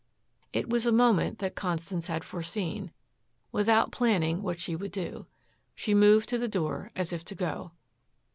It was a moment that Constance had foreseen, without planning what she would do. She moved to the door as if to go.